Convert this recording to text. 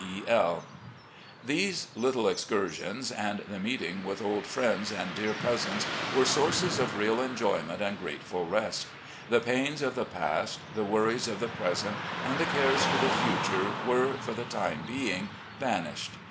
PRESIDENT OP WASHINGTON COLLEGE 187 These little exctirsions and the meeting with old friends and dear cousins were sources of real enjo3mient and grateful rest. The pains of the past, the worries of the present, and the cares for the future were, for the time being, banished.